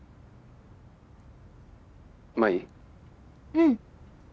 うん。